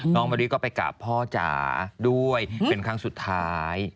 มะริก็ไปกราบพ่อจ๋าด้วยเป็นครั้งสุดท้าย